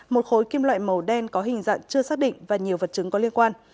một khối kim loại màu đen có hình dạng chưa xác định và nhiều vật chứng có liên quan